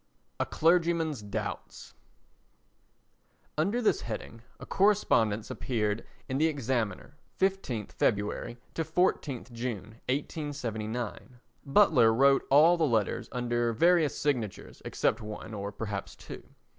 A Clergyman's Doubts Under this heading a correspondence appeared in the Examiner, 15_th_ February to 14_th_ June, 1879. Butler wrote all the letters under various signatures except one or perhaps two.